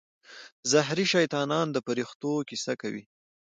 زهري شیطان د فرښتو کیسه کوي.